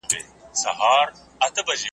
نه مي چیغي سوای تر کوره رسېدلای .